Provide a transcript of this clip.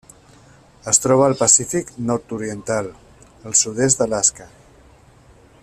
Es troba al Pacífic nord-oriental: el sud-est d'Alaska.